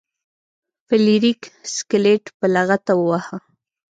فلیریک سکلیټ په لغته وواهه.